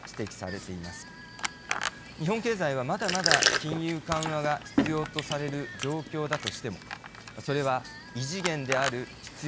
日本経済はまだまだ金融緩和が必要とされる状況だとしてもそれは異次元である必要があるのか。